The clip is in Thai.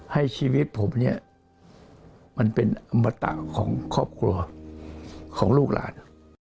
ให้ชีวิตผมเนี่ยมันเป็นอมตะของครอบครัวของลูกหลาน